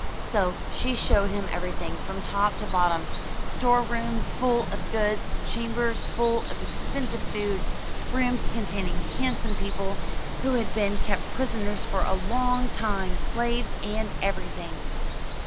So she showed him everything, from top to bottom: store rooms full of goods, chambers full of expensive foods, rooms containing handsome people who had been kept prisoners for a long time, slaves, and everything.